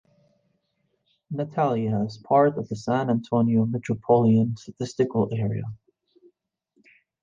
Natalia is part of the San Antonio Metropolitan Statistical Area.